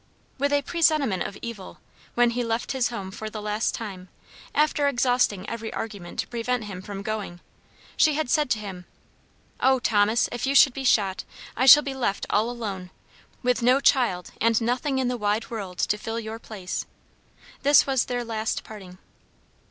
With a presentiment of evil, when he left his home for the last time, after exhausting every argument to prevent him from going, she had said to him, "Oh, Thomas! if you should be shot, I shall be left all alone, with no child and nothing in the wide world to fill your place!" This was their last parting.